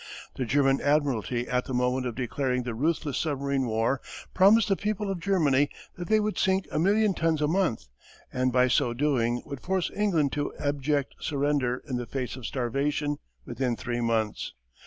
The German admiralty at the moment of declaring the ruthless submarine war promised the people of Germany that they would sink a million tons a month and by so doing would force England to abject surrender in the face of starvation within three months.